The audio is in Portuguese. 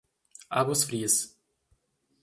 Águas Frias